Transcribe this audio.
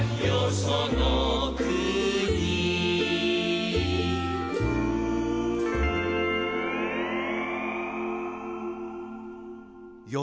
そのくによ